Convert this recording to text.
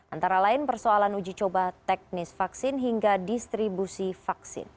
antara lain persoalan uji coba teknis vaksin hingga distribusi vaksin